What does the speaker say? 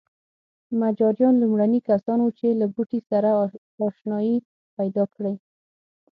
مجاریان لومړني کسان وو چې له بوټي سره اشنايي پیدا کړې.